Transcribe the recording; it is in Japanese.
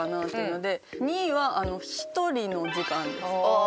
２位は１人の時間です。